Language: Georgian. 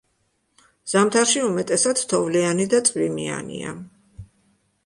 ზამთარში უმეტესად თოვლიანი და წვიმიანია.